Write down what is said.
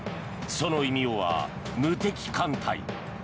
その異名は、無敵艦隊。